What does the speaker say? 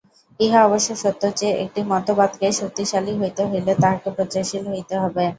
ইহা অবশ্য সত্য যে, একটি মতবাদকে শক্তিশালী হইতে হইলে তাহাকে প্রচারশীল হইতে হইবে।